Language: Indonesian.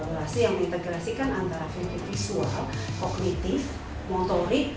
menari adalah suatu kegiatan kolaborasi yang diintegrasikan antara visual kognitif motorik